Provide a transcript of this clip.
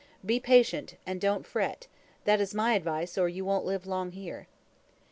Be patient, and don't fret, that is my advice, or you won't live long here."